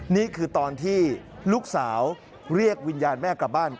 นี่คือตอนที่ลูกสาวเรียกวิญญาณแม่กลับบ้าน